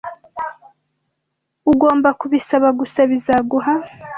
Ugomba kubisaba gusa bizaguha.